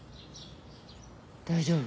大丈夫。